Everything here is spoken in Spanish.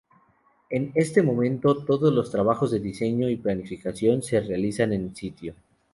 En este momento, todos los trabajos de diseño y planificación se realizan en sitio.